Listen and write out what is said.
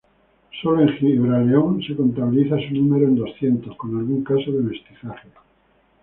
Sólo en Gibraleón se contabilizaba su número en doscientos, con algún caso de mestizaje.